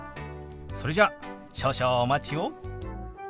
それじゃ少々お待ちを。